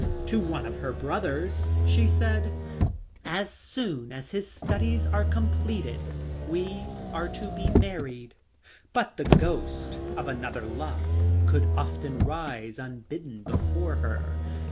To one of her brothers, she said :" As soon as his studies are com pleted we are to be married." But the ghost of another love would often rise unbidden before her.